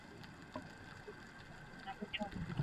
Matumizi bora ya dawa za minyoo